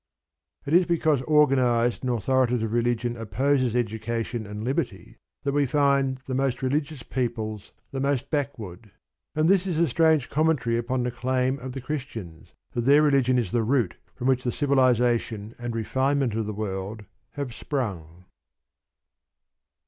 It is because organised and authoritative religion opposes education and liberty that we find the most religious peoples the most backward. And this is a strange commentary upon the claim of the Christians, that their religion is the root from which the civilisation and the refinement of the world have sprung.